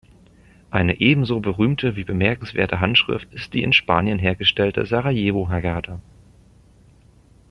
Eine ebenso berühmte wie bemerkenswerte Handschrift ist die in Spanien hergestellte Sarajevo-Haggada.